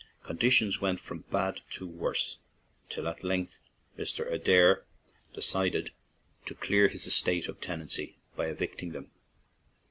Conditions went from bad to worse, till at length Mr. Adair decided to clear his estate of tenantry by evicting them.